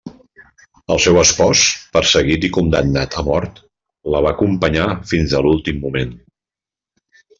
El seu espòs, perseguit i condemnat a mort, la va acompanyar fins a l'últim moment.